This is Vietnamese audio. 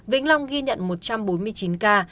vĩnh long ghi nhận một trăm bốn mươi chín ca